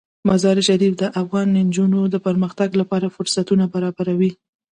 مزارشریف د افغان نجونو د پرمختګ لپاره فرصتونه برابروي.